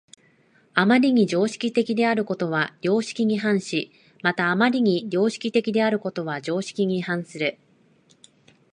余りに常識的であることは良識に反し、また余りに良識的であることは常識に反する。